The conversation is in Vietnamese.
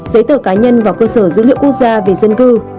giấy tờ cá nhân vào cơ sở dữ liệu quốc gia về dân cư